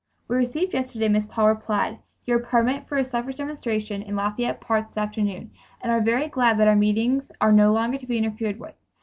"We received yesterday [Miss Paul replied] your permit for a suffrage demonstration in Lafayette Park this afternoon, and are very glad that our meetings are no longer to be interfered with.